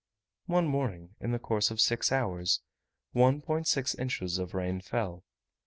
One morning, in the course of six hours, 1.6 inches of rain fell.